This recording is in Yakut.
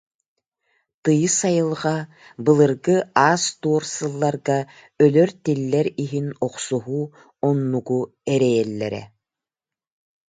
Тыйыс айылҕа, былыргы аас-туор сылларга өлөр-тиллэр иһин охсуһуу оннугу эрэйэллэрэ